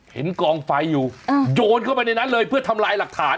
กองไฟอยู่โยนเข้าไปในนั้นเลยเพื่อทำลายหลักฐาน